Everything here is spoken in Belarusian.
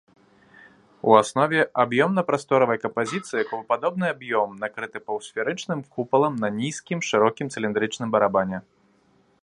У аснове аб'ёмна-прасторавай кампазіцыі кубападобны аб'ём, накрыты паўсферычным купалам на нізкім, шырокім цыліндрычным барабане.